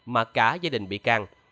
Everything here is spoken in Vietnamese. mà cả gia đình bị can